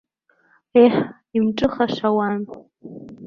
Еҳ, имҿыхаша уан!